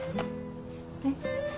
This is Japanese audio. えっ？